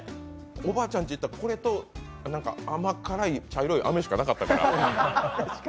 おばあちゃんち行ったら甘辛い飴と茶色いお菓子しかなかったから。